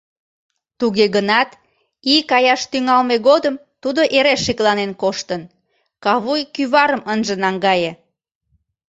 Туге гынат ий каяш тӱҥалме годым тудо эре шекланен коштын: кавуй кӱварым ынже наҥгае.